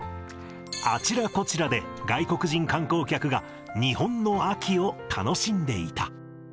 あちらこちらで外国人観光客が日本の秋を楽しんでいた。